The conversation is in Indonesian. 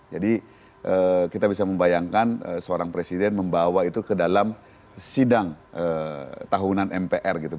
jadi kita bisa membayangkan seorang presiden membawa itu ke dalam sidang tahunan mpr gitu